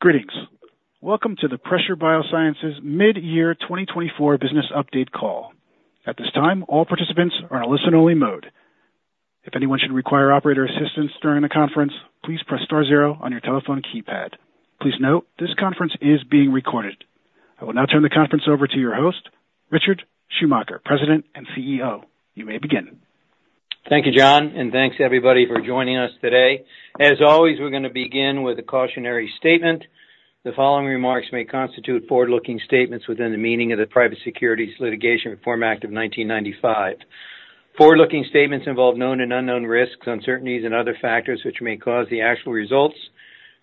Greetings. Welcome to the Pressure BioSciences mid-year 2024 business update call. At this time, all participants are in a listen-only mode. If anyone should require operator assistance during the conference, please press star zero on your telephone keypad. Please note, this conference is being recorded. I will now turn the conference over to your host, Richard Schumacher, President and CEO. You may begin. Thank you, John, and thanks, everybody, for joining us today. As always, we're going to begin with a cautionary statement. The following remarks may constitute forward-looking statements within the meaning of the Private Securities Litigation Reform Act of 1995. Forward-looking statements involve known and unknown risks, uncertainties, and other factors which may cause the actual results,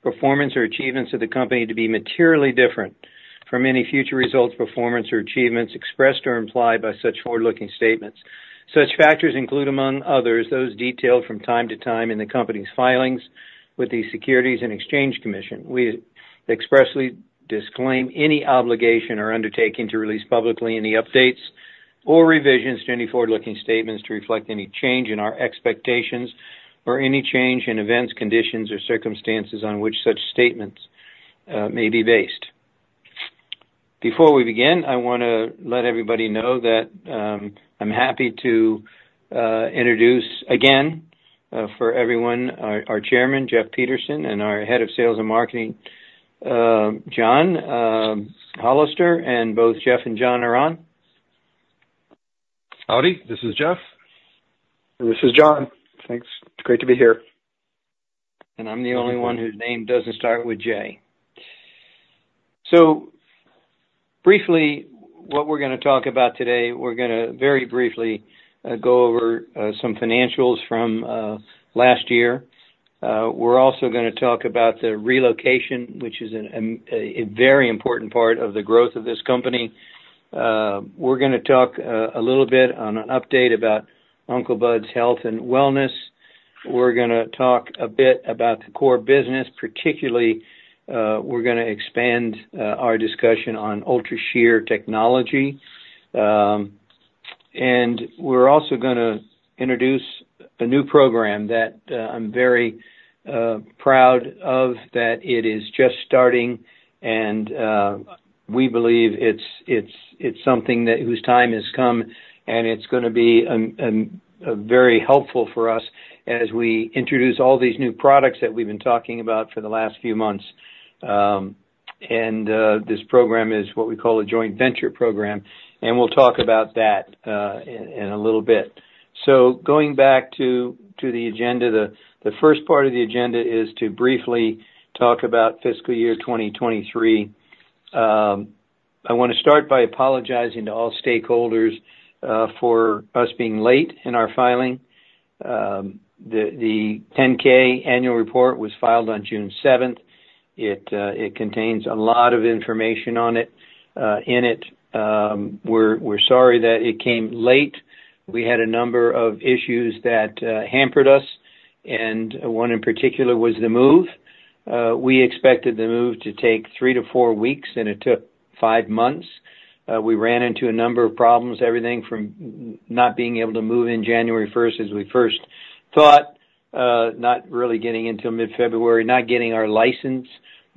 performance, or achievements of the company to be materially different from any future results, performance, or achievements expressed or implied by such forward-looking statements. Such factors include, among others, those detailed from time to time in the company's filings with the Securities and Exchange Commission. We expressly disclaim any obligation or undertaking to release publicly any updates or revisions to any forward-looking statements to reflect any change in our expectations or any change in events, conditions, or circumstances on which such statements may be based. Before we begin, I want to let everybody know that I'm happy to introduce again for everyone our Chairman, Jeff Peterson, and our Head of Sales and Marketing, John Hollister. Both Jeff and John are on. Howdy. This is Jeff. This is John. Thanks. It's great to be here. And I'm the only one whose name doesn't start with J. So briefly, what we're going to talk about today, we're going to very briefly go over some financials from last year. We're also going to talk about the relocation, which is a very important part of the growth of this company. We're going to talk a little bit on an update about Uncle Bud's Health and Wellness. We're going to talk a bit about the core business. Particularly, we're going to expand our discussion on UltraShear Technology. And we're also going to introduce a new program that I'm very proud of, that it is just starting, and we believe it's something whose time has come, and it's going to be very helpful for us as we introduce all these new products that we've been talking about for the last few months. This program is what we call a joint venture program, and we'll talk about that in a little bit. Going back to the agenda, the first part of the agenda is to briefly talk about fiscal year 2023. I want to start by apologizing to all stakeholders for us being late in our filing. The 10-K annual report was filed on June 7th. It contains a lot of information in it. We're sorry that it came late. We had a number of issues that hampered us, and one in particular was the move. We expected the move to take 3-4 weeks, and it took 5 months. We ran into a number of problems, everything from not being able to move in January 1st as we first thought, not really getting until mid-February, not getting our license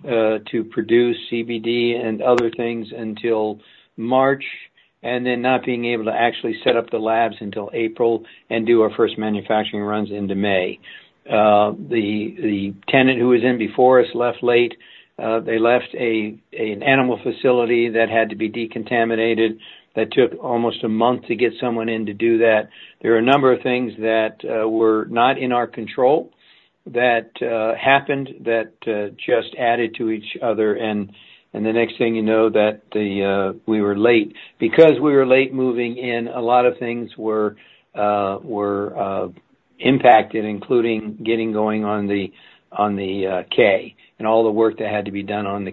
to produce CBD and other things until March, and then not being able to actually set up the labs until April and do our first manufacturing runs into May. The tenant who was in before us left late. They left an animal facility that had to be decontaminated. That took almost a month to get someone in to do that. There are a number of things that were not in our control that happened that just added to each other. And the next thing you know, we were late. Because we were late moving in, a lot of things were impacted, including getting going on the 10-K and all the work that had to be done on the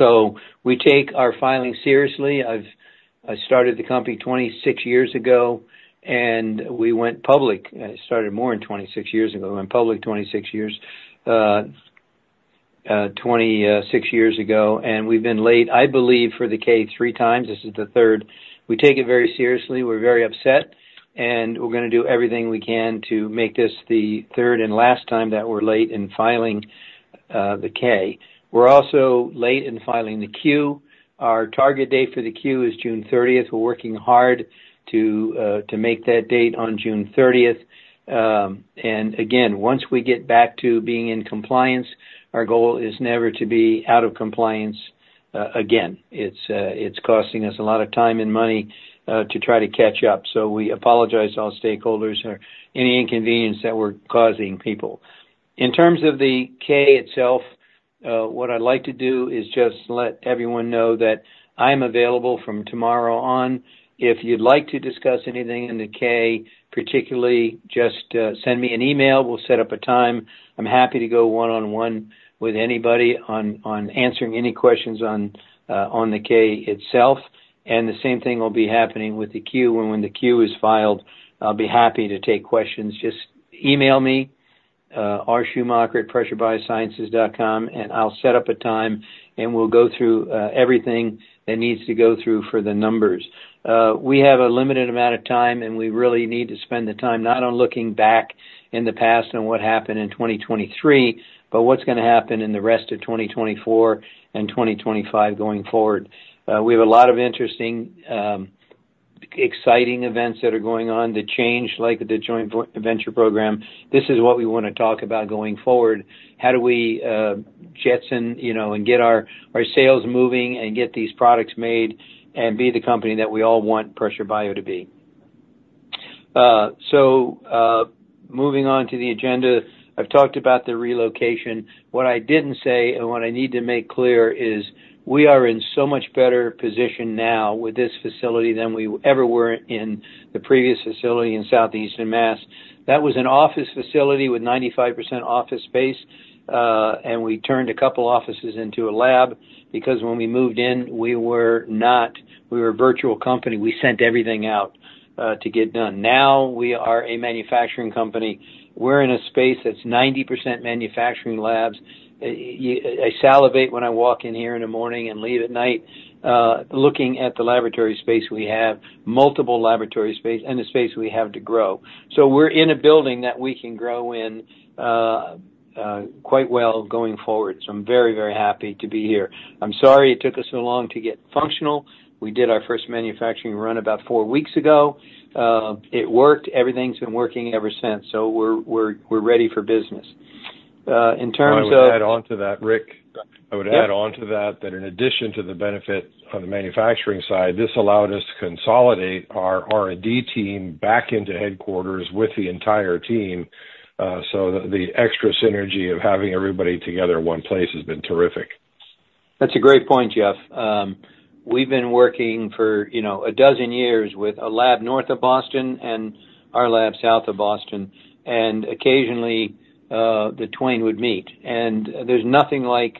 10-K. We take our filing seriously. I started the company 26 years ago, and we went public. I started more than 26 years ago. We went public 26 years ago. We've been late, I believe, for the K three times. This is the third. We take it very seriously. We're very upset, and we're going to do everything we can to make this the third and last time that we're late in filing the K. We're also late in filing the Q. Our target date for the Q is June 30th. We're working hard to make that date on June 30th. Again, once we get back to being in compliance, our goal is never to be out of compliance again. It's costing us a lot of time and money to try to catch up. We apologize to all stakeholders for any inconvenience that we're causing people. In terms of the K itself, what I'd like to do is just let everyone know that I'm available from tomorrow on. If you'd like to discuss anything in the K, particularly, just send me an email. We'll set up a time. I'm happy to go one-on-one with anybody on answering any questions on the K itself. And the same thing will be happening with the Q. And when the Q is filed, I'll be happy to take questions. Just email me, rschumacher@pressurebiosciences.com, and I'll set up a time, and we'll go through everything that needs to go through for the numbers. We have a limited amount of time, and we really need to spend the time not on looking back in the past on what happened in 2023, but what's going to happen in the rest of 2024 and 2025 going forward. We have a lot of interesting, exciting events that are going on, the change, like the joint venture program. This is what we want to talk about going forward. How do we jettison and get our sales moving and get these products made and be the company that we all want Pressure Bio to be? So moving on to the agenda, I've talked about the relocation. What I didn't say and what I need to make clear is we are in so much better position now with this facility than we ever were in the previous facility in southeastern Massachusetts. That was an office facility with 95% office space, and we turned a couple of offices into a lab because when we moved in, we were not. We were a virtual company. We sent everything out to get done. Now we are a manufacturing company. We're in a space that's 90% manufacturing labs. I salivate when I walk in here in the morning and leave at night looking at the laboratory space we have, multiple laboratory space, and the space we have to grow. So we're in a building that we can grow in quite well going forward. So I'm very, very happy to be here. I'm sorry it took us so long to get functional. We did our first manufacturing run about four weeks ago. It worked. Everything's been working ever since. So we're ready for business. In terms of. I would add on to that, Rick. I would add on to that that in addition to the benefit on the manufacturing side, this allowed us to consolidate our R&D team back into headquarters with the entire team. So the extra synergy of having everybody together in one place has been terrific. That's a great point, Jeff. We've been working for 12 years with a lab north of Boston and our lab south of Boston. Occasionally, the twain would meet. There's nothing like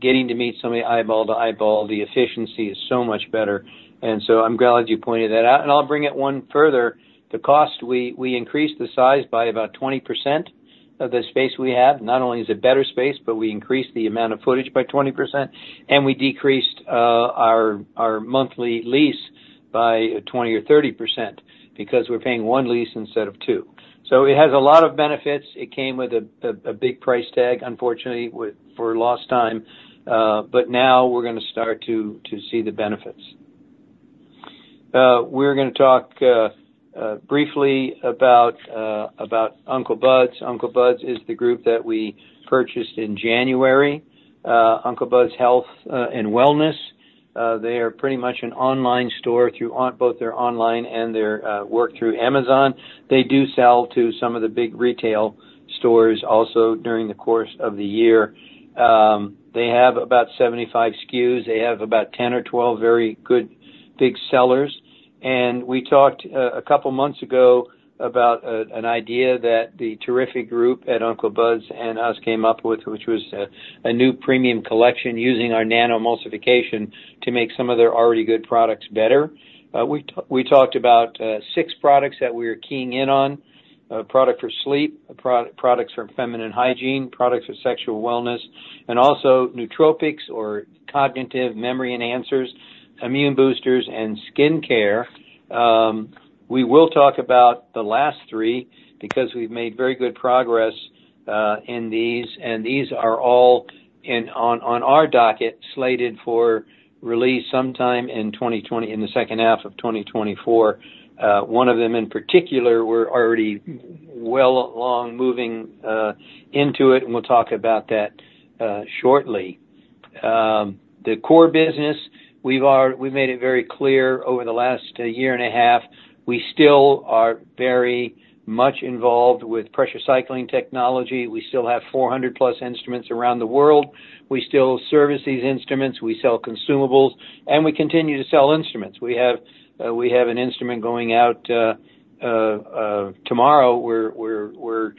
getting to meet somebody eyeball to eyeball. The efficiency is so much better. I'm glad you pointed that out. I'll bring it one further. The cost, we increased the size by about 20% of the space we have. Not only is it better space, but we increased the amount of footage by 20%. We decreased our monthly lease by 20%-30% because we're paying one lease instead of two. It has a lot of benefits. It came with a big price tag, unfortunately, for lost time. Now we're going to start to see the benefits. We're going to talk briefly about Uncle Bud's. Uncle Bud's is the group that we purchased in January. Uncle Bud's Health and Wellness, they are pretty much an online store through both their online and their work through Amazon. They do sell to some of the big retail stores also during the course of the year. They have about 75 SKUs. They have about 10 or 12 very good big sellers. We talked a couple of months ago about an idea that the terrific group at Uncle Bud's and us came up with, which was a new premium collection using our nanoemulsification to make some of their already good products better. We talked about 6 products that we are keying in on: product for sleep, products for feminine hygiene, products for sexual wellness, and also nootropics or cognitive memory enhancers, immune boosters, and skin care. We will talk about the last three because we've made very good progress in these. These are all on our docket, slated for release sometime in the second half of 2024. One of them in particular, we're already well along moving into it, and we'll talk about that shortly. The core business, we've made it very clear over the last year and a half. We still are very much involved with Pressure Cycling Technology. We still have 400+ instruments around the world. We still service these instruments. We sell consumables, and we continue to sell instruments. We have an instrument going out tomorrow. We're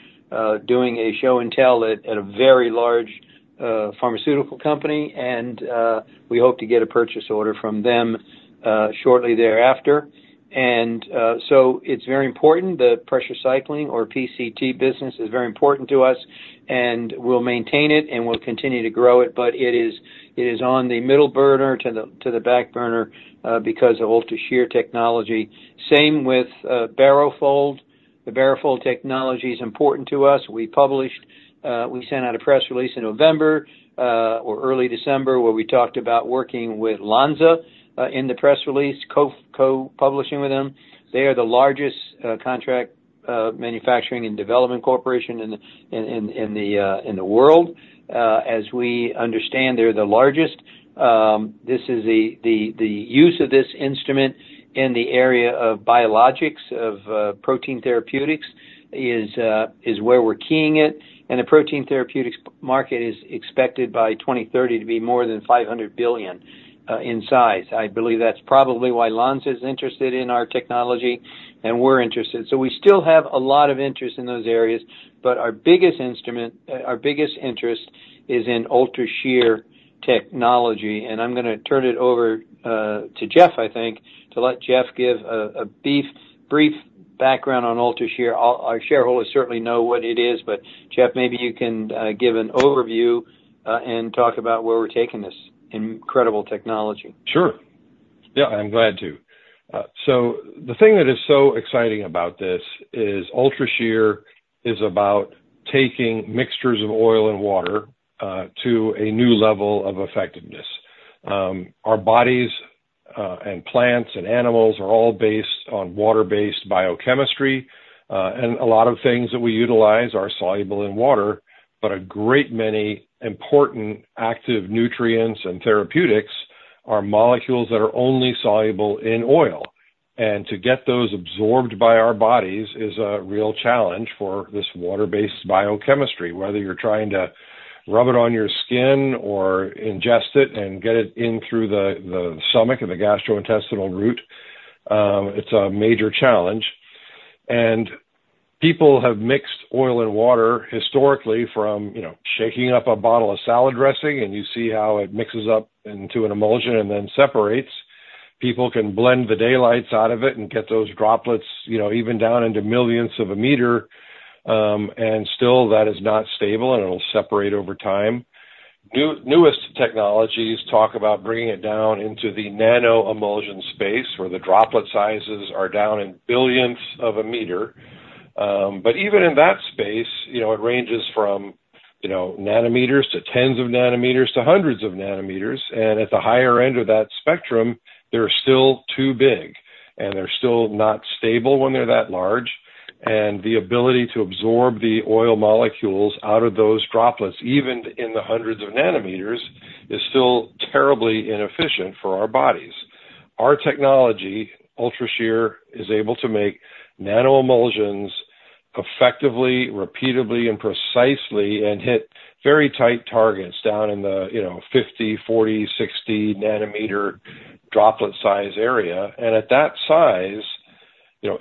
doing a show and tell at a very large pharmaceutical company, and we hope to get a purchase order from them shortly thereafter. So it's very important. The Pressure Cycling or PCT business is very important to us, and we'll maintain it, and we'll continue to grow it. But it is on the middle burner to the back burner because of UltraShear technology. Same with BaroFold. The BaroFold technology is important to us. We published, we sent out a press release in November or early December where we talked about working with Lonza in the press release, co-publishing with them. They are the largest contract manufacturing and development corporation in the world. As we understand, they're the largest. The use of this instrument in the area of biologics, of protein therapeutics, is where we're keying it. And the protein therapeutics market is expected by 2030 to be more than $500 billion in size. I believe that's probably why Lonza is interested in our technology and we're interested. So we still have a lot of interest in those areas, but our biggest interest is in UltraShear technology. And I'm going to turn it over to Jeff, I think, to let Jeff give a brief background on UltraShear. Our shareholders certainly know what it is. But Jeff, maybe you can give an overview and talk about where we're taking this incredible technology. Sure. Yeah, I'm glad to. So the thing that is so exciting about this is UltraShear is about taking mixtures of oil and water to a new level of effectiveness. Our bodies and plants and animals are all based on water-based biochemistry. And a lot of things that we utilize are soluble in water, but a great many important active nutrients and therapeutics are molecules that are only soluble in oil. And to get those absorbed by our bodies is a real challenge for this water-based biochemistry, whether you're trying to rub it on your skin or ingest it and get it in through the stomach and the gastrointestinal route. It's a major challenge. And people have mixed oil and water historically from shaking up a bottle of salad dressing, and you see how it mixes up into an emulsion and then separates. People can blend the daylights out of it and get those droplets even down into millions of a meter. Still, that is not stable, and it'll separate over time. Newest technologies talk about bringing it down into the nano-emulsion space where the droplet sizes are down in billions of a meter. But even in that space, it ranges from nanometers to tens of nanometers to hundreds of nanometers. And at the higher end of that spectrum, they're still too big, and they're still not stable when they're that large. And the ability to absorb the oil molecules out of those droplets, even in the hundreds of nanometers, is still terribly inefficient for our bodies. Our technology, UltraShear, is able to make nano-emulsions effectively, repeatedly, and precisely and hit very tight targets down in the 50, 40, 60 nanometer droplet size area. At that size,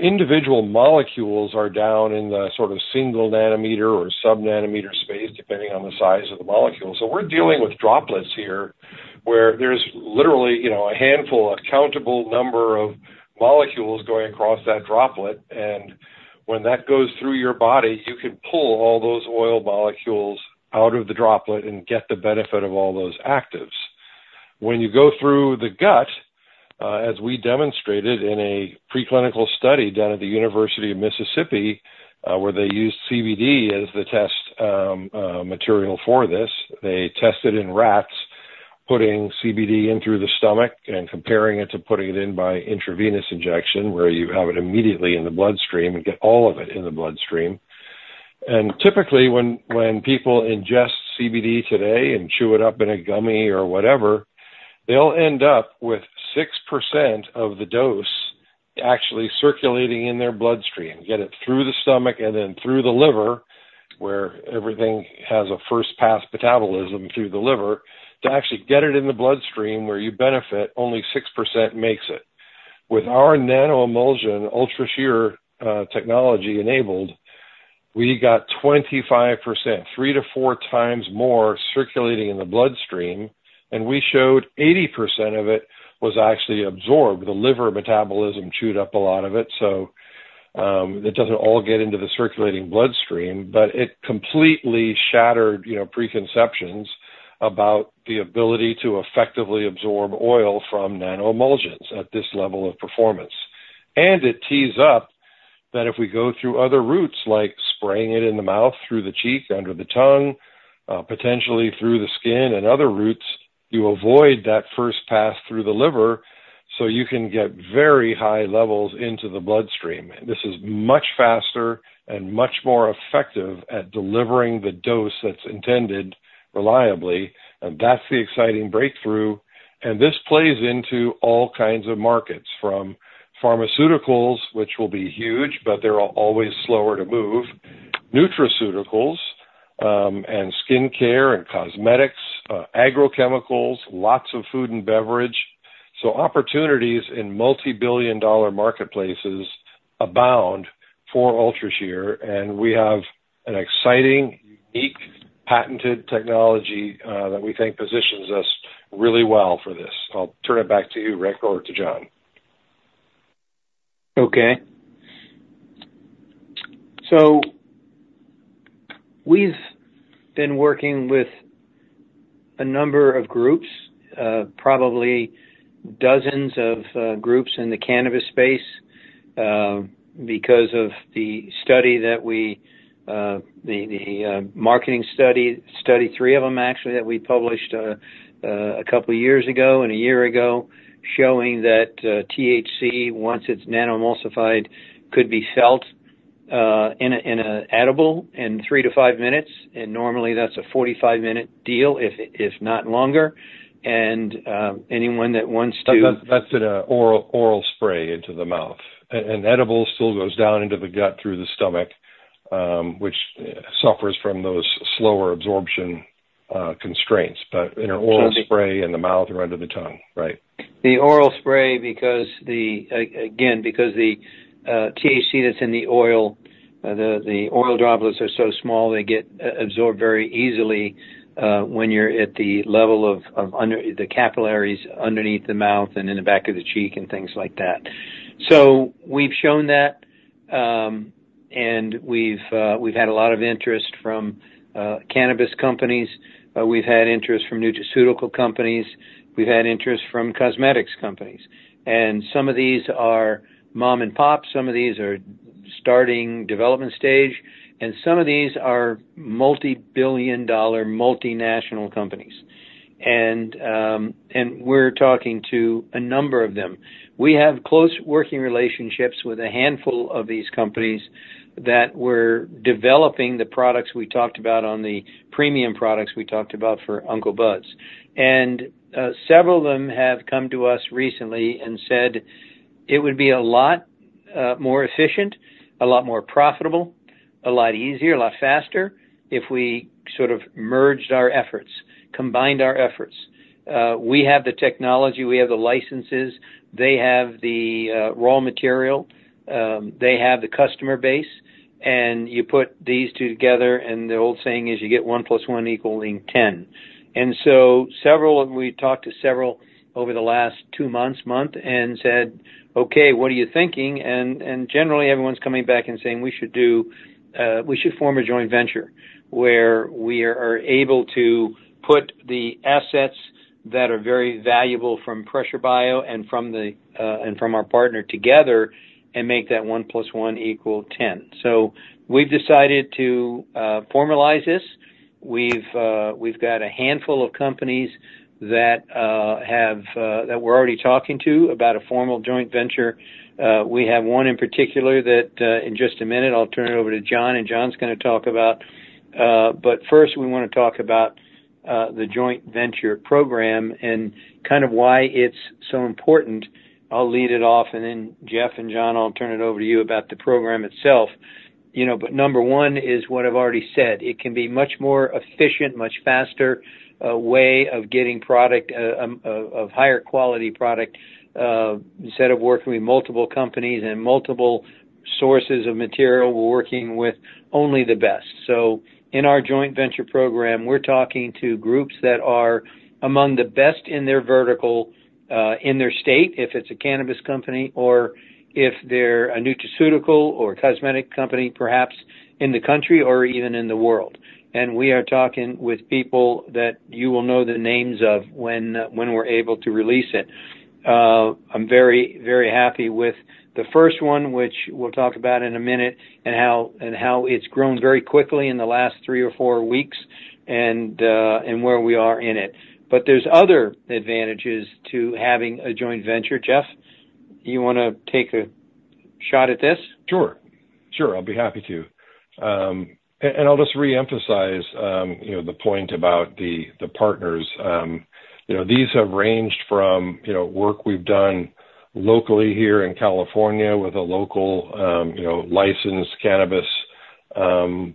individual molecules are down in the sort of single nanometer or sub-nanometer space, depending on the size of the molecule. So we're dealing with droplets here where there's literally a handful, a countable number of molecules going across that droplet. And when that goes through your body, you can pull all those oil molecules out of the droplet and get the benefit of all those actives. When you go through the gut, as we demonstrated in a preclinical study done at the University of Mississippi, where they used CBD as the test material for this, they tested in rats, putting CBD in through the stomach and comparing it to putting it in by intravenous injection, where you have it immediately in the bloodstream and get all of it in the bloodstream. Typically, when people ingest CBD today and chew it up in a gummy or whatever, they'll end up with 6% of the dose actually circulating in their bloodstream, get it through the stomach and then through the liver, where everything has a first-pass metabolism through the liver. To actually get it in the bloodstream where you benefit, only 6% makes it. With our nano-emulsion UltraShear technology enabled, we got 25%, 3-4 times more circulating in the bloodstream. And we showed 80% of it was actually absorbed. The liver metabolism chewed up a lot of it. So it doesn't all get into the circulating bloodstream, but it completely shattered preconceptions about the ability to effectively absorb oil from nano-emulsions at this level of performance. It tees up that if we go through other routes, like spraying it in the mouth, through the cheek, under the tongue, potentially through the skin and other routes, you avoid that first pass through the liver. So you can get very high levels into the bloodstream. This is much faster and much more effective at delivering the dose that's intended reliably. And that's the exciting breakthrough. And this plays into all kinds of markets, from pharmaceuticals, which will be huge, but they're always slower to move, nutraceuticals and skin care and cosmetics, agrochemicals, lots of food and beverage. So opportunities in multi-billion dollar marketplaces abound for UltraShear. And we have an exciting, unique, patented technology that we think positions us really well for this. I'll turn it back to you, Rick, or to John. Okay. So we've been working with a number of groups, probably dozens of groups in the cannabis space because of the study that we the marketing study, study three of them, actually, that we published a couple of years ago and a year ago, showing that THC, once it's nano-emulsified, could be felt in an edible in 3-5 minutes. And normally, that's a 45-minute deal, if not longer. And anyone that wants to. That's an oral spray into the mouth. Edible still goes down into the gut through the stomach, which suffers from those slower absorption constraints, but in an oral spray in the mouth or under the tongue, right? The oral spray, again, because the THC that's in the oil, the oil droplets are so small, they get absorbed very easily when you're at the level of the capillaries underneath the mouth and in the back of the cheek and things like that. So we've shown that, and we've had a lot of interest from cannabis companies. We've had interest from nutraceutical companies. We've had interest from cosmetics companies. And some of these are mom-and-pop. Some of these are starting development stage. And some of these are multi-billion dollar multinational companies. And we're talking to a number of them. We have close working relationships with a handful of these companies that were developing the products we talked about on the premium products we talked about for Uncle Bud's. Several of them have come to us recently and said it would be a lot more efficient, a lot more profitable, a lot easier, a lot faster if we sort of merged our efforts, combined our efforts. We have the technology. We have the licenses. They have the raw material. They have the customer base. And you put these together, and the old saying is you get one plus one equaling ten. And so several of them we talked to several over the last two months and said, "Okay, what are you thinking?" And generally, everyone's coming back and saying, "We should form a joint venture where we are able to put the assets that are very valuable from Pressure Bio and from our partner together and make that one plus one equal ten." So we've decided to formalize this. We've got a handful of companies that we're already talking to about a formal joint venture. We have one in particular that in just a minute, I'll turn it over to John, and John's going to talk about. But first, we want to talk about the joint venture program and kind of why it's so important. I'll lead it off, and then Jeff and John, I'll turn it over to you about the program itself. But number one is what I've already said. It can be a much more efficient, much faster way of getting product, of higher quality product, instead of working with multiple companies and multiple sources of material, we're working with only the best. In our joint venture program, we're talking to groups that are among the best in their vertical, in their state, if it's a cannabis company or if they're a nutraceutical or cosmetic company, perhaps in the country or even in the world. We are talking with people that you will know the names of when we're able to release it. I'm very, very happy with the first one, which we'll talk about in a minute and how it's grown very quickly in the last 3 or 4 weeks and where we are in it. There's other advantages to having a joint venture. Jeff, you want to take a shot at this? Sure. Sure. I'll be happy to. I'll just reemphasize the point about the partners. These have ranged from work we've done locally here in California with a local licensed cannabis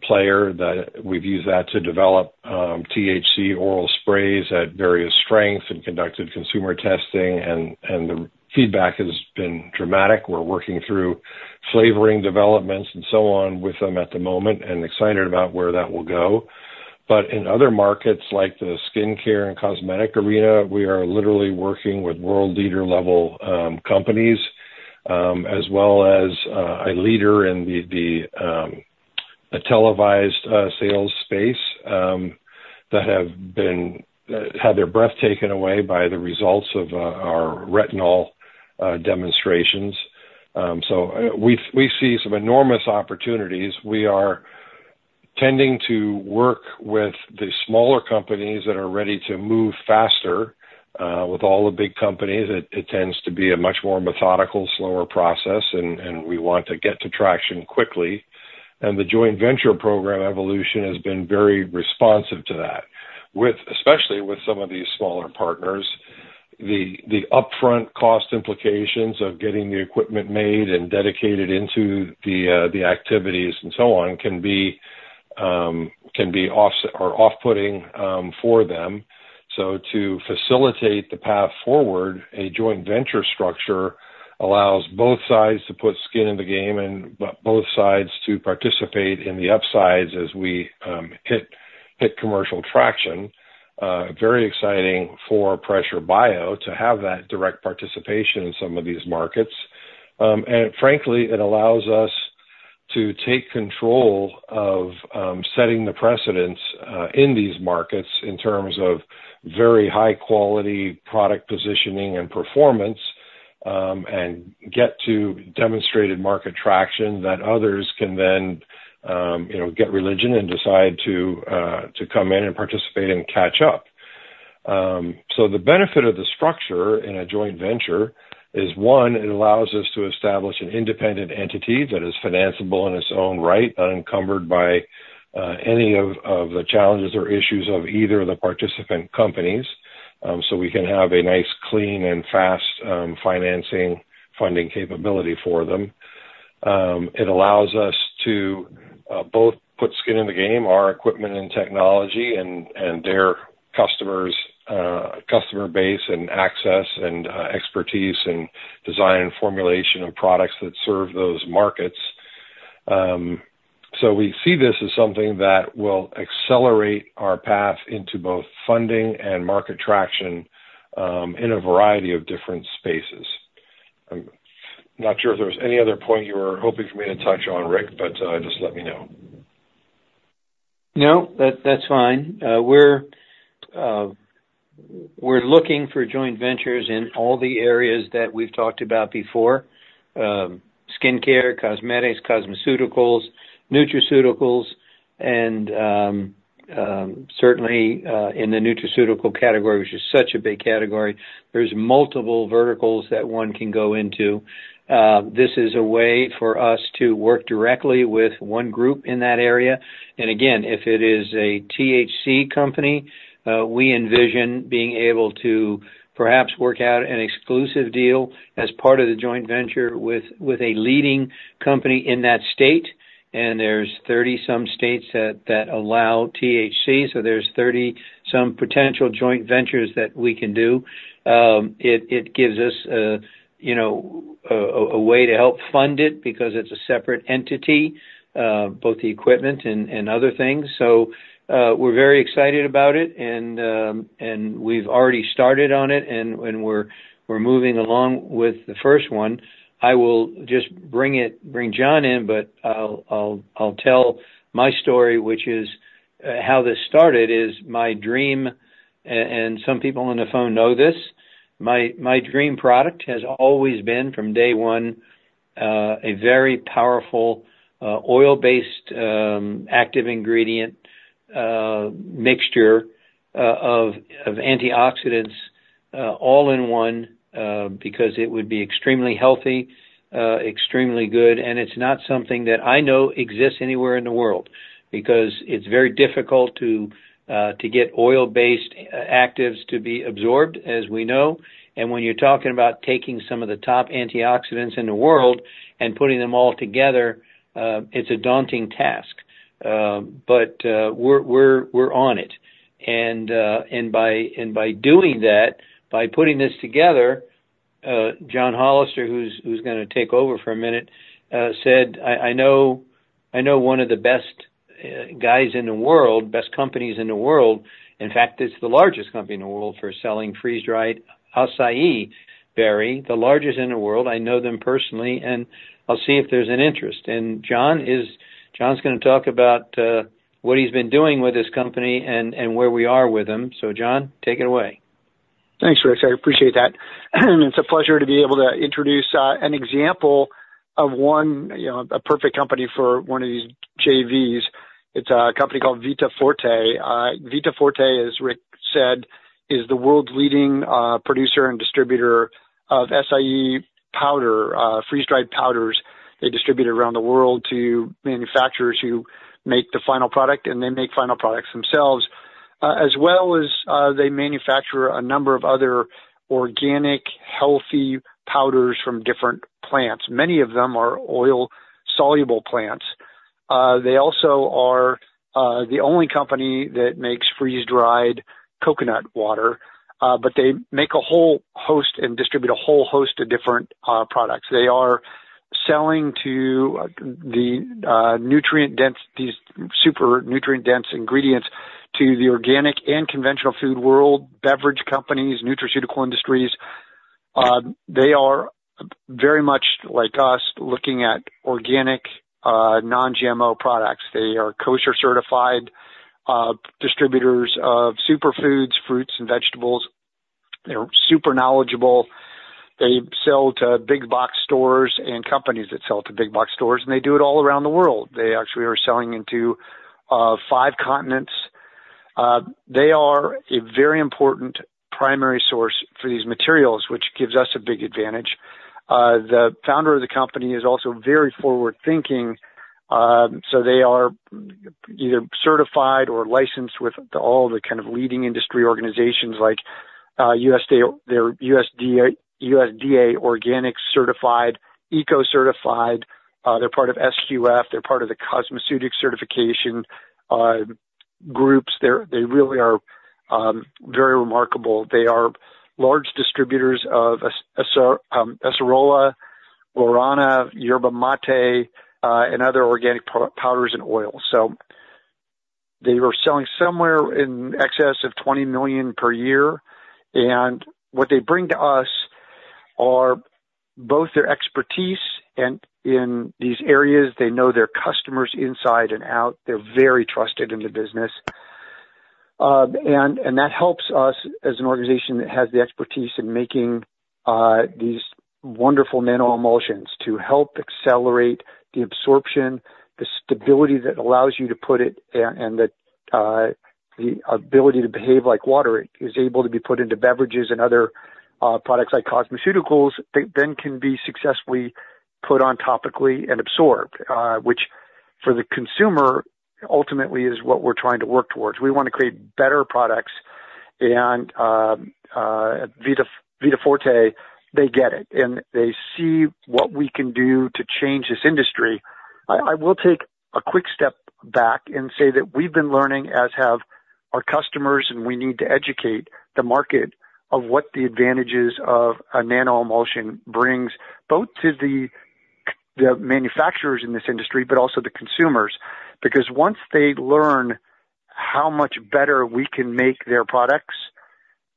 player that we've used that to develop THC oral sprays at various strengths and conducted consumer testing. The feedback has been dramatic. We're working through flavoring developments and so on with them at the moment and excited about where that will go. In other markets, like the skincare and cosmetic arena, we are literally working with world leader-level companies as well as a leader in the televised sales space that have had their breath taken away by the results of our retinol demonstrations. We see some enormous opportunities. We are tending to work with the smaller companies that are ready to move faster with all the big companies. It tends to be a much more methodical, slower process, and we want to get to traction quickly. The joint venture program evolution has been very responsive to that, especially with some of these smaller partners. The upfront cost implications of getting the equipment made and dedicated into the activities and so on can be off-putting for them. To facilitate the path forward, a joint venture structure allows both sides to put skin in the game and both sides to participate in the upsides as we hit commercial traction. Very exciting for Pressure Bio to have that direct participation in some of these markets. Frankly, it allows us to take control of setting the precedents in these markets in terms of very high-quality product positioning and performance and get to demonstrated market traction that others can then get religion and decide to come in and participate and catch up. The benefit of the structure in a joint venture is, one, it allows us to establish an independent entity that is financeable in its own right, unencumbered by any of the challenges or issues of either of the participant companies. We can have a nice, clean, and fast financing funding capability for them. It allows us to both put skin in the game, our equipment and technology, and their customer base and access and expertise and design and formulation of products that serve those markets. We see this as something that will accelerate our path into both funding and market traction in a variety of different spaces. I'm not sure if there was any other point you were hoping for me to touch on, Rick, but just let me know. No, that's fine. We're looking for joint ventures in all the areas that we've talked about before: skincare, cosmetics, cosmeceuticals, nutraceuticals, and certainly in the nutraceutical category, which is such a big category. There's multiple verticals that one can go into. This is a way for us to work directly with one group in that area. And again, if it is a THC company, we envision being able to perhaps work out an exclusive deal as part of the joint venture with a leading company in that state. And there's 30-some states that allow THC. So there's 30-some potential joint ventures that we can do. It gives us a way to help fund it because it's a separate entity, both the equipment and other things. So we're very excited about it, and we've already started on it, and we're moving along with the first one. I will just bring John in, but I'll tell my story, which is how this started is my dream, and some people on the phone know this. My dream product has always been, from day one, a very powerful oil-based active ingredient mixture of antioxidants all in one because it would be extremely healthy, extremely good. And it's not something that I know exists anywhere in the world because it's very difficult to get oil-based actives to be absorbed, as we know. And when you're talking about taking some of the top antioxidants in the world and putting them all together, it's a daunting task. But we're on it. And by doing that, by putting this together, John Hollister, who's going to take over for a minute, said, "I know one of the best guys in the world, best companies in the world. In fact, it's the largest company in the world for selling freeze-dried açaí berry, the largest in the world. I know them personally, and I'll see if there's an interest." John's going to talk about what he's been doing with this company and where we are with him. So John, take it away. Thanks, Rick. I appreciate that. It's a pleasure to be able to introduce an example of a perfect company for one of these JVs. It's a company called Vita Forte. Vita Forte, as Rick said, is the world's leading producer and distributor of açaí powder, freeze-dried powders. They distribute it around the world to manufacturers who make the final product, and they make final products themselves, as well as they manufacture a number of other organic, healthy powders from different plants. Many of them are oil-soluble plants. They also are the only company that makes freeze-dried coconut water, but they make a whole host and distribute a whole host of different products. They are selling to the nutrient-dense, these super nutrient-dense ingredients to the organic and conventional food world, beverage companies, nutraceutical industries. They are very much like us looking at organic, non-GMO products. They are kosher-certified distributors of superfoods, fruits, and vegetables. They're super knowledgeable. They sell to big-box stores and companies that sell to big-box stores, and they do it all around the world. They actually are selling into five continents. They are a very important primary source for these materials, which gives us a big advantage. The founder of the company is also very forward-thinking, so they are either certified or licensed with all the kind of leading industry organizations like USDA organic certified, eco-certified. They're part of SQF. They're part of the cosmeceutical certification groups. They really are very remarkable. They are large distributors of Acerola, Guarana, Yerba Mate, and other organic powders and oils. So they were selling somewhere in excess of $20 million per year. And what they bring to us are both their expertise in these areas. They know their customers inside and out. They're very trusted in the business. That helps us as an organization that has the expertise in making these wonderful nano-emulsions to help accelerate the absorption, the stability that allows you to put it, and the ability to behave like water. It is able to be put into beverages and other products like cosmeceuticals, then can be successfully put on topically and absorbed, which for the consumer, ultimately, is what we're trying to work towards. We want to create better products. Vita Forte, they get it, and they see what we can do to change this industry. I will take a quick step back and say that we've been learning, as have our customers, and we need to educate the market of what the advantages of a nano-emulsion brings both to the manufacturers in this industry but also the consumers. Because once they learn how much better we can make their products,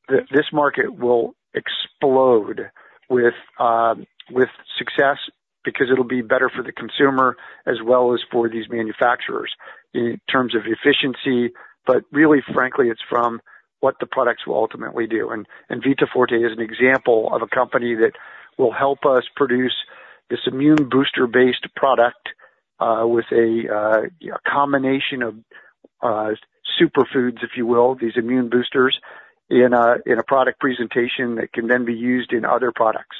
this market will explode with success because it'll be better for the consumer as well as for these manufacturers in terms of efficiency. But really, frankly, it's from what the products will ultimately do. And Vita Forte is an example of a company that will help us produce this immune booster-based product with a combination of superfoods, if you will, these immune boosters in a product presentation that can then be used in other products.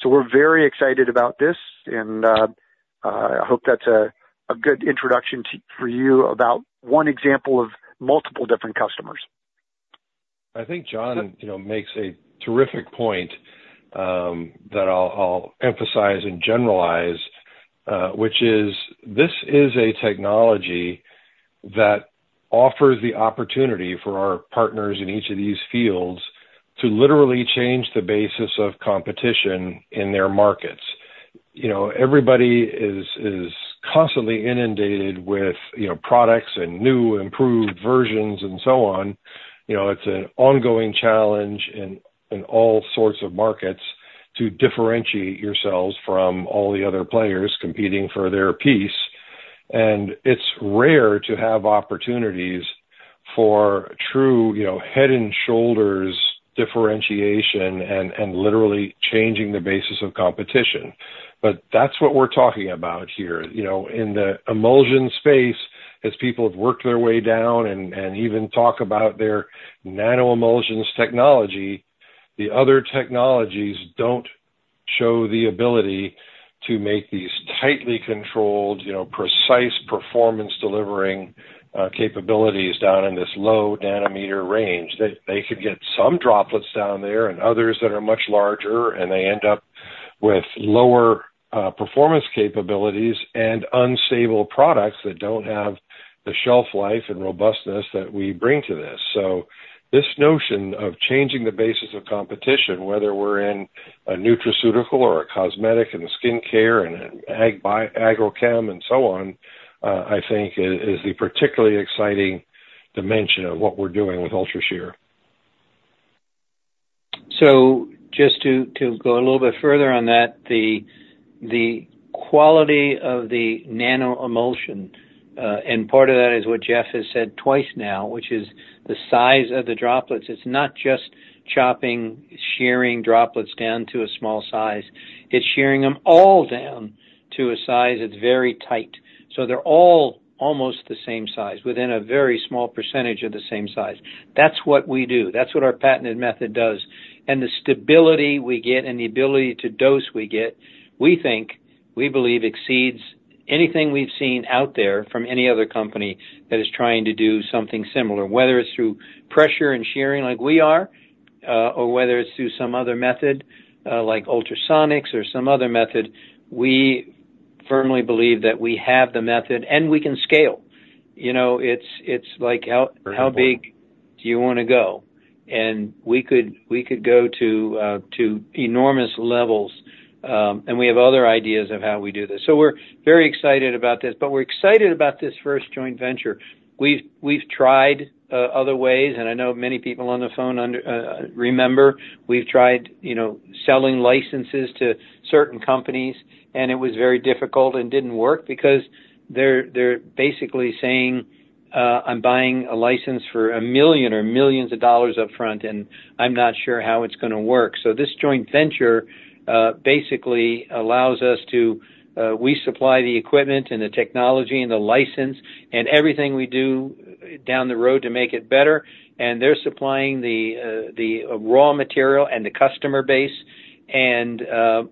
So we're very excited about this, and I hope that's a good introduction for you about one example of multiple different customers. I think John makes a terrific point that I'll emphasize and generalize, which is this is a technology that offers the opportunity for our partners in each of these fields to literally change the basis of competition in their markets. Everybody is constantly inundated with products and new improved versions and so on. It's an ongoing challenge in all sorts of markets to differentiate yourselves from all the other players competing for their piece. It's rare to have opportunities for true head and shoulders differentiation and literally changing the basis of competition. That's what we're talking about here. In the emulsion space, as people have worked their way down and even talk about their nano-emulsions technology, the other technologies don't show the ability to make these tightly controlled, precise performance-delivering capabilities down in this low nanometer range. They could get some droplets down there and others that are much larger, and they end up with lower performance capabilities and unstable products that don't have the shelf life and robustness that we bring to this. So this notion of changing the basis of competition, whether we're in a nutraceutical or a cosmetic and skincare and agrochemical and so on, I think is the particularly exciting dimension of what we're doing with UltraShear. So just to go a little bit further on that, the quality of the nano-emulsion, and part of that is what Jeff has said twice now, which is the size of the droplets. It's not just chopping, shearing droplets down to a small size. It's shearing them all down to a size that's very tight. So they're all almost the same size within a very small percentage of the same size. That's what we do. That's what our patented method does. And the stability we get and the ability to dose we get, we think, we believe, exceeds anything we've seen out there from any other company that is trying to do something similar, whether it's through pressure and shearing like we are or whether it's through some other method like ultrasonics or some other method. We firmly believe that we have the method, and we can scale. It's like how big do you want to go? And we could go to enormous levels, and we have other ideas of how we do this. So we're very excited about this, but we're excited about this first joint venture. We've tried other ways, and I know many people on the phone remember. We've tried selling licenses to certain companies, and it was very difficult and didn't work because they're basically saying, "I'm buying a license for $1 million or millions of dollars upfront, and I'm not sure how it's going to work." So this joint venture basically allows us to resupply the equipment and the technology and the license and everything we do down the road to make it better. And they're supplying the raw material and the customer base, and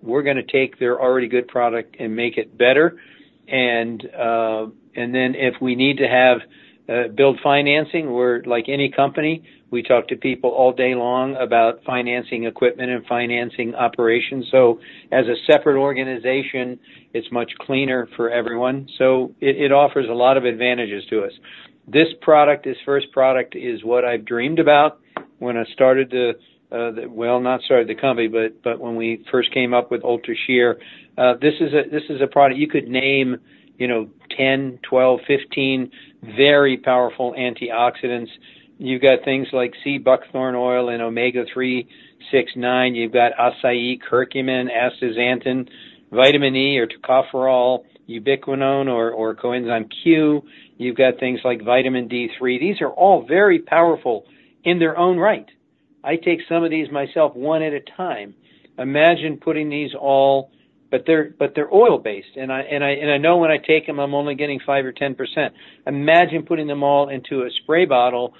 we're going to take their already good product and make it better. If we need to have build financing, we're like any company. We talk to people all day long about financing equipment and financing operations. As a separate organization, it's much cleaner for everyone. It offers a lot of advantages to us. This product, this first product, is what I've dreamed about when I started the—well, not started the company, but when we first came up with UltraShear. This is a product you could name 10, 12, 15 very powerful antioxidants. You've got things like sea buckthorn oil and omega-3, 6, 9. You've got açaí, curcumin, astaxanthin, vitamin E or tocopherol, ubiquinone or coenzyme Q. You've got things like vitamin D3. These are all very powerful in their own right. I take some of these myself one at a time. Imagine putting these all—but they're oil-based. I know when I take them, I'm only getting 5% or 10%. Imagine putting them all into a spray bottle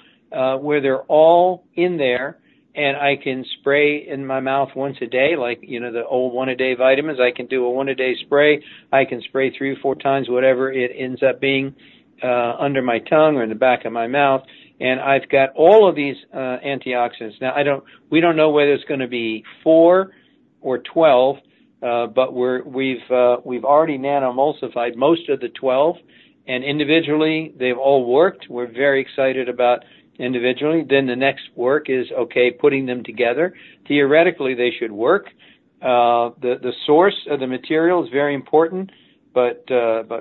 where they're all in there, and I can spray in my mouth once a day, like the old One-A-Day vitamins. I can do a One-A-Day spray. I can spray 3 or 4 times, whatever it ends up being under my tongue or in the back of my mouth. And I've got all of these antioxidants. Now, we don't know whether it's going to be 4 or 12, but we've already nanoemulsified most of the 12, and individually, they've all worked. We're very excited about individually. Then the next work is, okay, putting them together. Theoretically, they should work. The source of the material is very important, but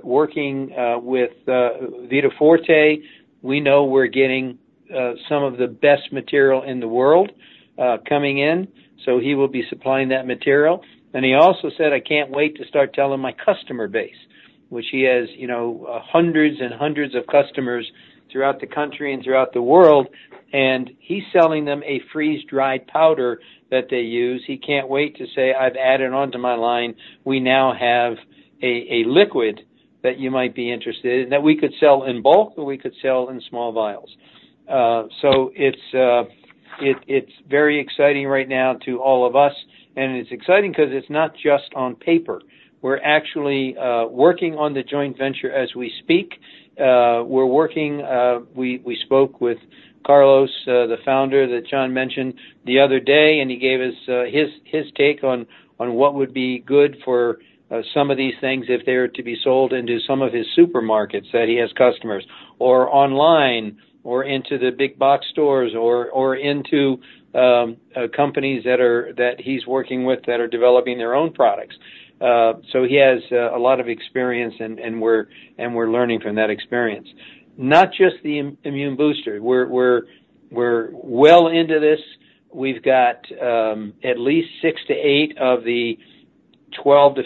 working with Vita Forte, we know we're getting some of the best material in the world coming in. So he will be supplying that material. And he also said, "I can't wait to start telling my customer base," which he has hundreds and hundreds of customers throughout the country and throughout the world. And he's selling them a freeze-dried powder that they use. He can't wait to say, "I've added on to my line. We now have a liquid that you might be interested in that we could sell in bulk or we could sell in small vials." So it's very exciting right now to all of us. And it's exciting because it's not just on paper. We're actually working on the joint venture as we speak. We're working. We spoke with Carlos, the founder that John mentioned the other day, and he gave us his take on what would be good for some of these things if they were to be sold into some of his supermarkets that he has customers or online or into the big-box stores or into companies that he's working with that are developing their own products. So he has a lot of experience, and we're learning from that experience. Not just the immune booster. We're well into this. We've got at least 6-8 of the 12-15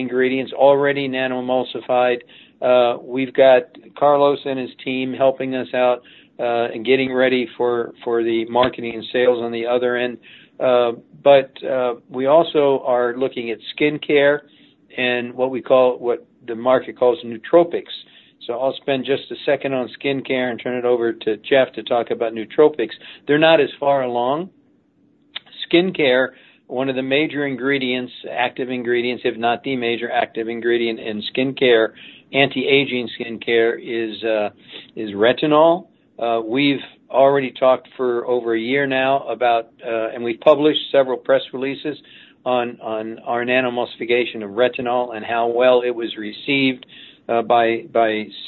ingredients already nanoemulsified. We've got Carlos and his team helping us out and getting ready for the marketing and sales on the other end. But we also are looking at skincare and what we call what the market calls nootropics. So I'll spend just a second on skincare and turn it over to Jeff to talk about nootropics. They're not as far along. Skincare, one of the major ingredients, active ingredients, if not the major active ingredient in skincare, anti-aging skincare is retinol. We've already talked for over a year now about, and we've published several press releases on our nanoemulsification of retinol and how well it was received by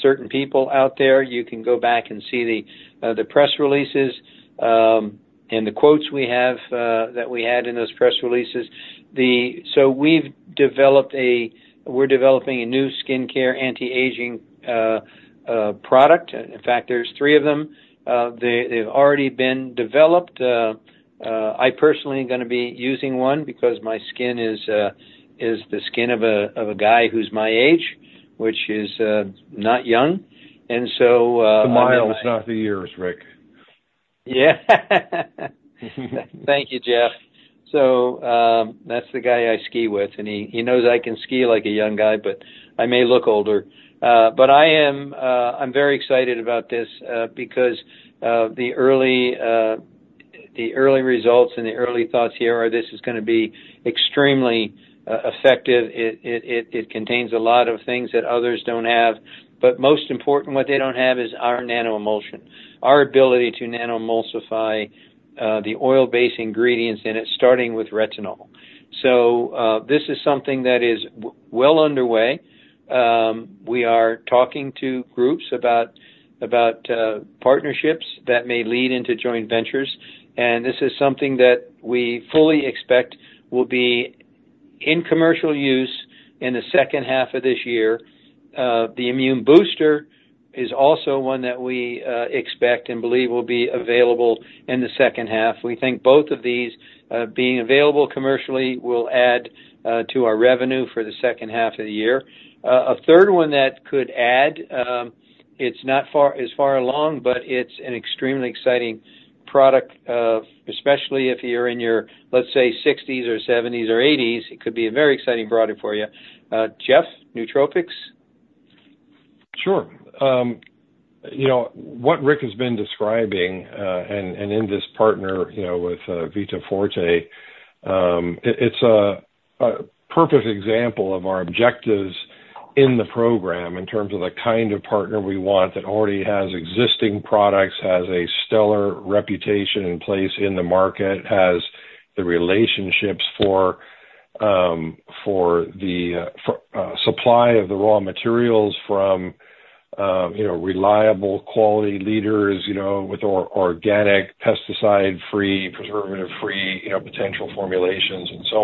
certain people out there. You can go back and see the press releases and the quotes we have that we had in those press releases. So we've developed a, we're developing a new skincare anti-aging product. In fact, there's three of them. They've already been developed. I personally am going to be using one because my skin is the skin of a guy who's my age, which is not young. And so. Tomorrow is not the years, Rick. Yeah. Thank you, Jeff. So that's the guy I ski with, and he knows I can ski like a young guy, but I may look older. But I'm very excited about this because the early results and the early thoughts here are this is going to be extremely effective. It contains a lot of things that others don't have. But most importantly, what they don't have is our nanoemulsion, our ability to nanoemulsify the oil-based ingredients in it, starting with retinol. So this is something that is well underway. We are talking to groups about partnerships that may lead into joint ventures. And this is something that we fully expect will be in commercial use in the second half of this year. The immune booster is also one that we expect and believe will be available in the second half. We think both of these being available commercially will add to our revenue for the second half of the year. A third one that could add, it's not as far along, but it's an extremely exciting product, especially if you're in your, let's say, 60s or 70s or 80s. It could be a very exciting product for you. Jeff, nootropics? Sure. What Rick has been describing and in this partner with Vita Forte, it's a perfect example of our objectives in the program in terms of the kind of partner we want that already has existing products, has a stellar reputation in place in the market, has the relationships for the supply of the raw materials from reliable quality leaders with organic, pesticide-free, preservative-free potential formulations, and so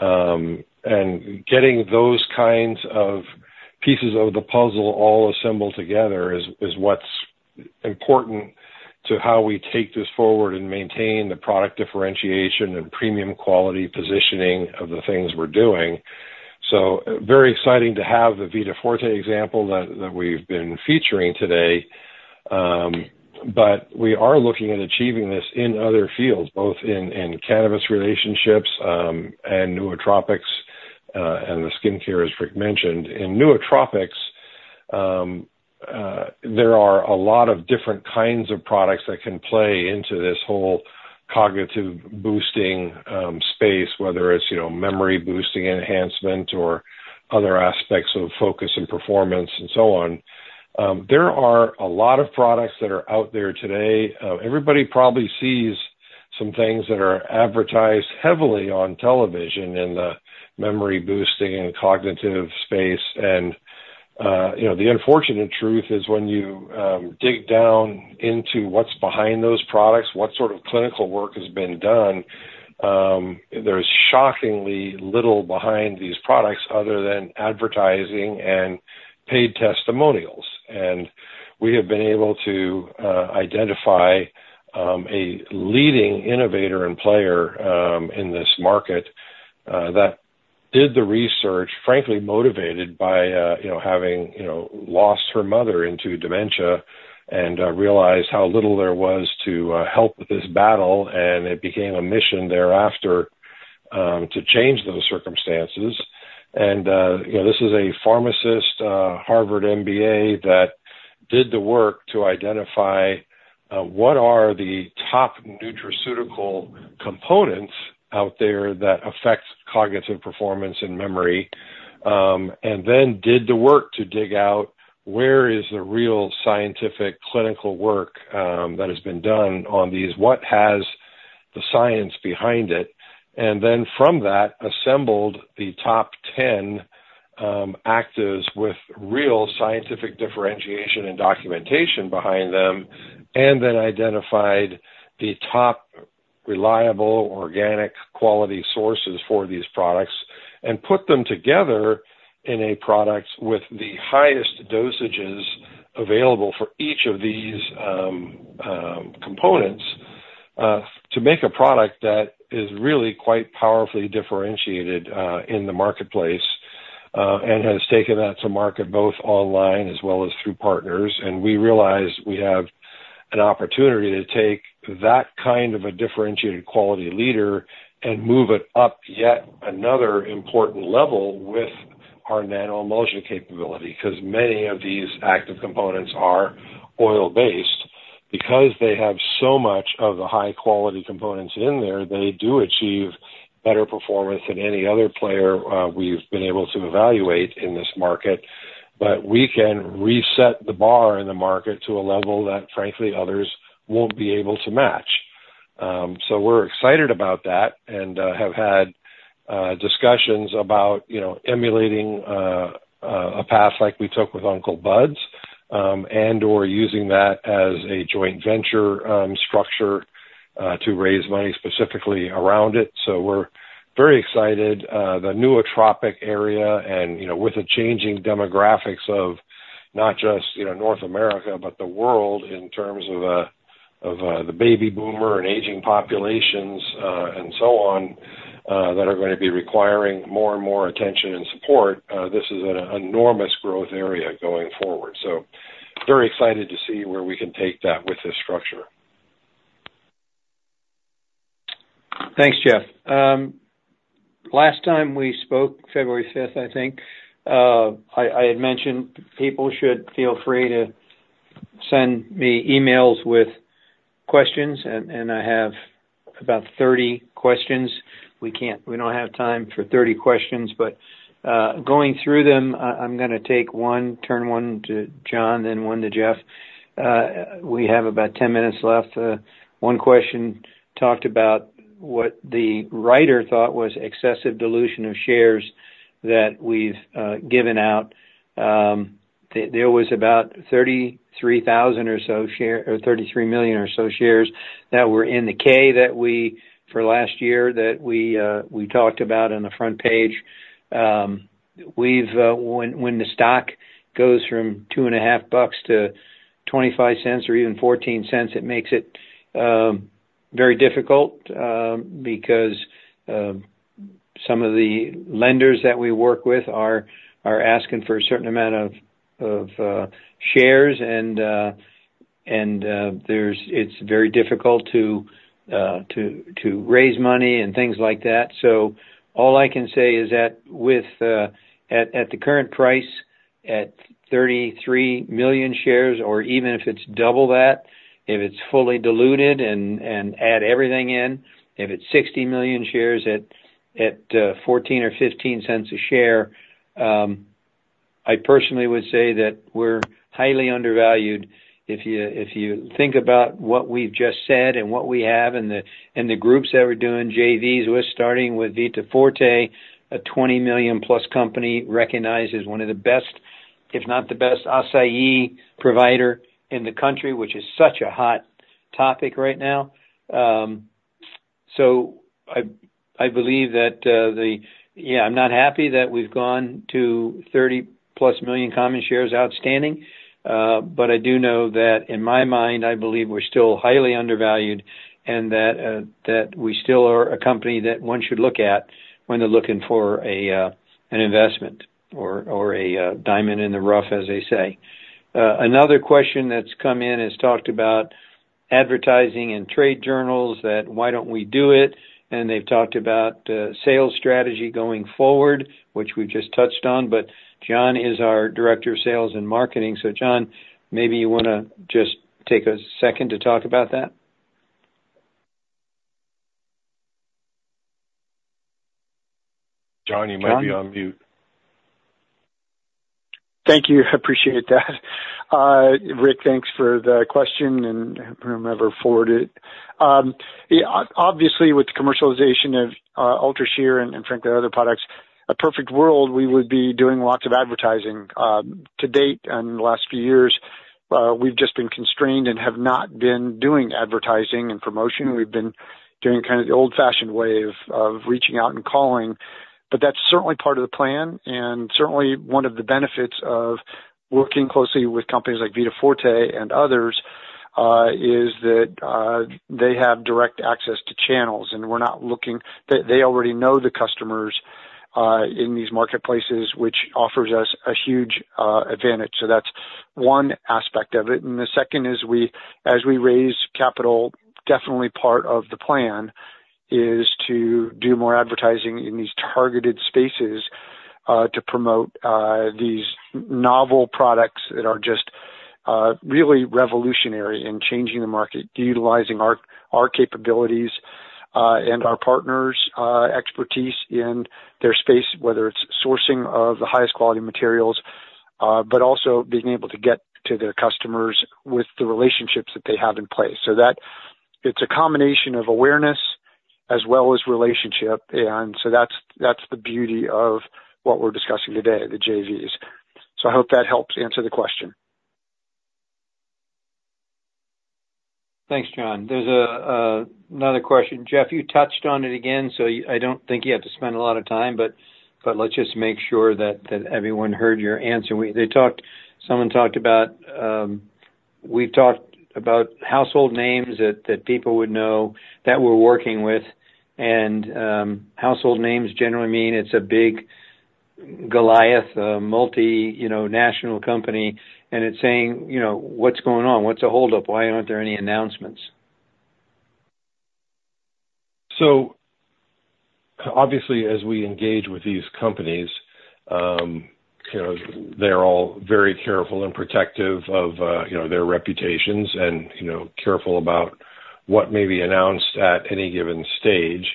on. And getting those kinds of pieces of the puzzle all assembled together is what's important to how we take this forward and maintain the product differentiation and premium quality positioning of the things we're doing. So very exciting to have the Vita Forte example that we've been featuring today. But we are looking at achieving this in other fields, both in cannabis relationships and nootropics and the skincare, as Rick mentioned. In Nootropics, there are a lot of different kinds of products that can play into this whole cognitive boosting space, whether it's memory boosting enhancement or other aspects of focus and performance and so on. There are a lot of products that are out there today. Everybody probably sees some things that are advertised heavily on television in the memory boosting and cognitive space. The unfortunate truth is when you dig down into what's behind those products, what sort of clinical work has been done, there's shockingly little behind these products other than advertising and paid testimonials. We have been able to identify a leading innovator and player in this market that did the research, frankly motivated by having lost her mother into dementia and realized how little there was to help with this battle. It became a mission thereafter to change those circumstances. This is a pharmacist, Harvard MBA, that did the work to identify what are the top nutraceutical components out there that affect cognitive performance and memory, and then did the work to dig out where is the real scientific clinical work that has been done on these, what has the science behind it. And then from that, assembled the top 10 actives with real scientific differentiation and documentation behind them, and then identified the top reliable organic quality sources for these products and put them together in a product with the highest dosages available for each of these components to make a product that is really quite powerfully differentiated in the marketplace and has taken that to market both online as well as through partners. We realized we have an opportunity to take that kind of a differentiated quality leader and move it up yet another important level with our nano-emulsion capability because many of these active components are oil-based. Because they have so much of the high-quality components in there, they do achieve better performance than any other player we've been able to evaluate in this market. But we can reset the bar in the market to a level that, frankly, others won't be able to match. So we're excited about that and have had discussions about emulating a path like we took with Uncle Bud’s and/or using that as a joint venture structure to raise money specifically around it. So we're very excited. The nootropic area and with the changing demographics of not just North America, but the world in terms of the baby boomer and aging populations and so on that are going to be requiring more and more attention and support, this is an enormous growth area going forward. So very excited to see where we can take that with this structure. Thanks, Jeff. Last time we spoke, February 5th, I think, I had mentioned people should feel free to send me emails with questions, and I have about 30 questions. We don't have time for 30 questions, but going through them, I'm going to take one, turn one to John, then one to Jeff. We have about 10 minutes left. One question talked about what the writer thought was excessive dilution of shares that we've given out. There was about 33,000 or so shares or 33 million or so shares that were in the 10-K that we for last year that we talked about on the front page. When the stock goes from $2.50 to $0.25 or even $0.14, it makes it very difficult because some of the lenders that we work with are asking for a certain amount of shares, and it's very difficult to raise money and things like that. So all I can say is that at the current price at 33 million shares, or even if it's double that, if it's fully diluted and add everything in, if it's 60 million shares at $0.14 or $0.15 a share, I personally would say that we're highly undervalued. If you think about what we've just said and what we have and the groups that we're doing, JVs, we're starting with Vita Forte, a $20 million-plus company recognized as one of the best, if not the best, açaí provider in the country, which is such a hot topic right now. So I believe that the, yeah, I'm not happy that we've gone to 30+ million common shares outstanding, but I do know that in my mind, I believe we're still highly undervalued and that we still are a company that one should look at when they're looking for an investment or a diamond in the rough, as they say. Another question that's come in is talked about advertising and trade journals that, "Why don't we do it?" And they've talked about sales strategy going forward, which we've just touched on. But John is our Director of Sales and Marketing. So John, maybe you want to just take a second to talk about that? John, you might be on mute. Thank you. I appreciate that. Rick, thanks for the question and whomever forwarded it. Obviously, with the commercialization of UltraShear and, frankly, other products, a perfect world, we would be doing lots of advertising. To date, in the last few years, we've just been constrained and have not been doing advertising and promotion. We've been doing kind of the old-fashioned way of reaching out and calling. But that's certainly part of the plan. And certainly, one of the benefits of working closely with companies like Vita Forte and others is that they have direct access to channels, and we're not looking, they already know the customers in these marketplaces, which offers us a huge advantage. So that's one aspect of it. And the second is, as we raise capital, definitely part of the plan is to do more advertising in these targeted spaces to promote these novel products that are just really revolutionary in changing the market, utilizing our capabilities and our partners' expertise in their space, whether it's sourcing of the highest quality materials, but also being able to get to their customers with the relationships that they have in place. So it's a combination of awareness as well as relationship. And so that's the beauty of what we're discussing today, the JVs. So I hope that helps answer the question. Thanks, John. There's another question. Jeff, you touched on it again, so I don't think you have to spend a lot of time, but let's just make sure that everyone heard your answer. Someone talked about, "We've talked about household names that people would know that we're working with." And household names generally mean it's a big Goliath, a multinational company, and it's saying, "What's going on? What's a holdup? Why aren't there any announcements? So obviously, as we engage with these companies, they're all very careful and protective of their reputations and careful about what may be announced at any given stage.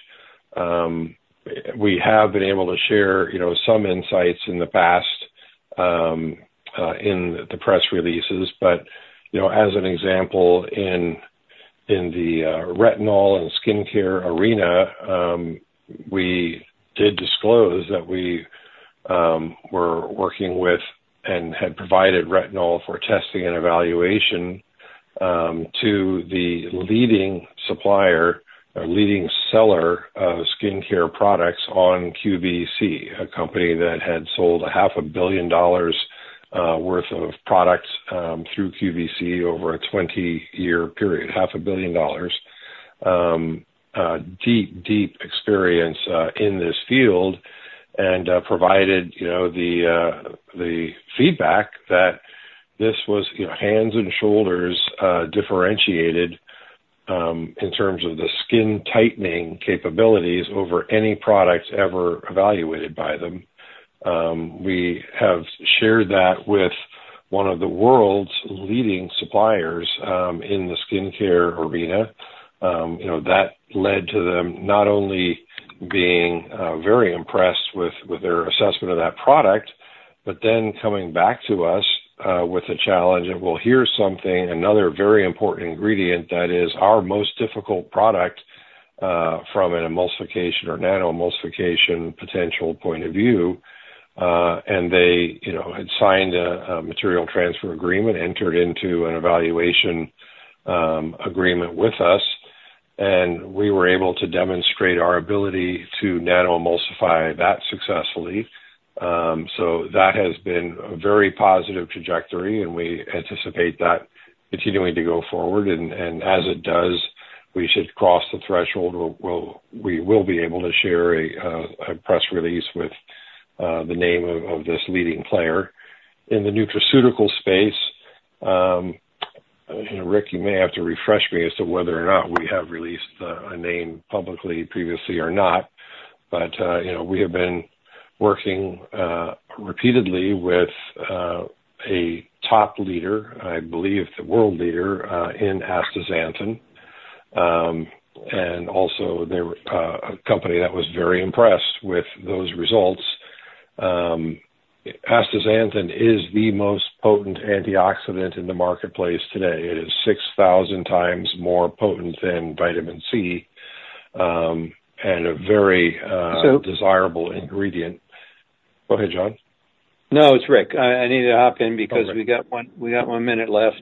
We have been able to share some insights in the past in the press releases. But as an example, in the retinol and skincare arena, we did disclose that we were working with and had provided retinol for testing and evaluation to the leading supplier or leading seller of skincare products on QVC, a company that had sold $500 million worth of products through QVC over a 20-year period, $500 million. Deep, deep experience in this field and provided the feedback that this was head and shoulders differentiated in terms of the skin tightening capabilities over any products ever evaluated by them. We have shared that with one of the world's leading suppliers in the skincare arena. That led to them not only being very impressed with their assessment of that product, but then coming back to us with a challenge of, "Well, here's something, another very important ingredient that is our most difficult product from an emulsification or nanoemulsification potential point of view." And they had signed a Material Transfer Agreement, entered into an evaluation agreement with us, and we were able to demonstrate our ability to nanoemulsify that successfully. So that has been a very positive trajectory, and we anticipate that continuing to go forward. And as it does, we should cross the threshold. We will be able to share a press release with the name of this leading player in the nutraceutical space. Rick, you may have to refresh me as to whether or not we have released a name publicly previously or not, but we have been working repeatedly with a top leader, I believe the world leader in astaxanthin, and also a company that was very impressed with those results. astaxanthin is the most potent antioxidant in the marketplace today. It is 6,000 times more potent than vitamin C and a very desirable ingredient. Go ahead, John. No, it's Rick. I need to hop in because we got one minute left.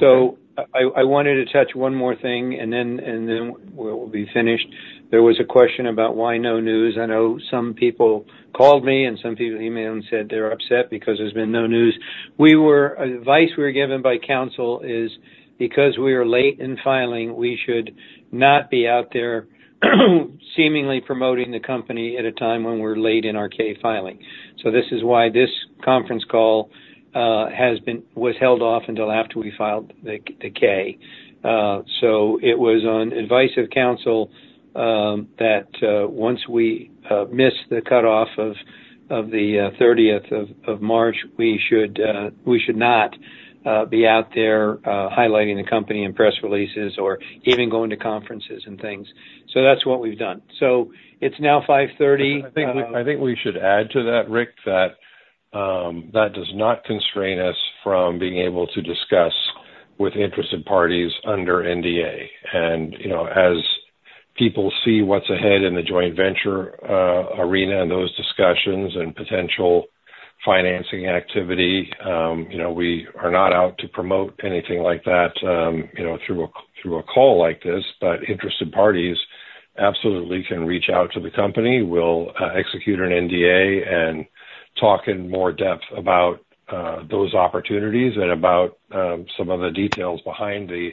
So I wanted to touch one more thing, and then we'll be finished. There was a question about why no news. I know some people called me and some people emailed and said they're upset because there's been no news. The advice we were given by counsel is because we are late in filing, we should not be out there seemingly promoting the company at a time when we're late in our 10-K filing. So this is why this conference call was held off until after we filed the 10-K. So it was on advice of counsel that once we miss the cutoff of the 30th of March, we should not be out there highlighting the company in press releases or even going to conferences and things. So that's what we've done. So it's now 5:30 P.M. I think we should add to that, Rick, that that does not constrain us from being able to discuss with interested parties under NDA. And as people see what's ahead in the joint venture arena and those discussions and potential financing activity, we are not out to promote anything like that through a call like this, but interested parties absolutely can reach out to the company. We'll execute an NDA and talk in more depth about those opportunities and about some of the details behind the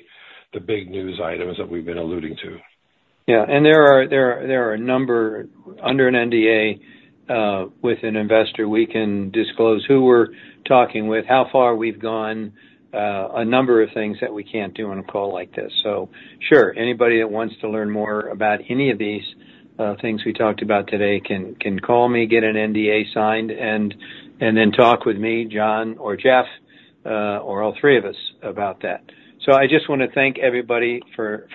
big news items that we've been alluding to. Yeah. And there are a number under an NDA with an investor. We can disclose who we're talking with, how far we've gone, a number of things that we can't do on a call like this. So sure, anybody that wants to learn more about any of these things we talked about today can call me, get an NDA signed, and then talk with me, John, or Jeff, or all three of us about that. So I just want to thank everybody for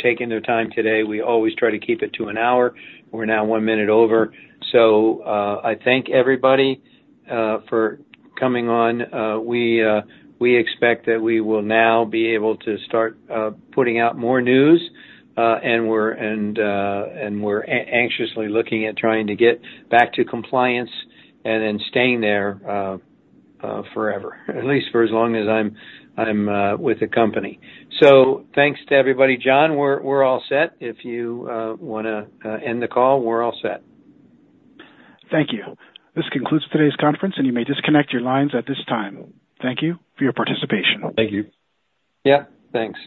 taking their time today. We always try to keep it to an hour. We're now 1 minute over. So I thank everybody for coming on. We expect that we will now be able to start putting out more news, and we're anxiously looking at trying to get back to compliance and then staying there forever, at least for as long as I'm with the company. Thanks to everybody. John, we're all set. If you want to end the call, we're all set. Thank you. This concludes today's conference, and you may disconnect your lines at this time. Thank you for your participation. Thank you. Yep. Thanks.